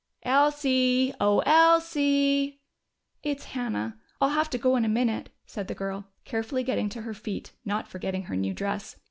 "Elsie! Oh, Elsie!" "It's Hannah. I'll have to go in a minute," said the girl, carefully getting to her feet, not forgetting her new dress.